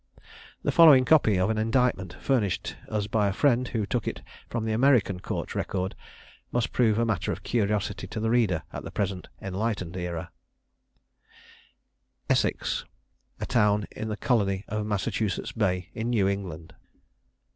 The following copy of an indictment, furnished us by a friend who took it from the American Court record, must prove a matter of curiosity to the reader at the present enlightened era: "Essex, ss. (a town in the colony of Massachusetts Bay, in New England.)